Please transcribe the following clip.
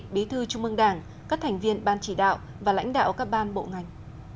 bí thư trung mương đảng các thành viên ban chỉ đạo và lãnh đạo các ban bộ ngành